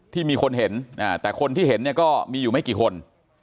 ที่มีคนเห็นแต่คนที่เห็นเนี่ยก็มีอยู่ไม่กี่คน